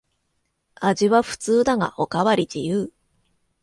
味は普通だがおかわり自由